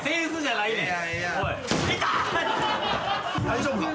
大丈夫か？